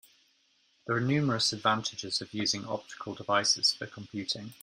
There are numerous advantages of using optical devices for computing.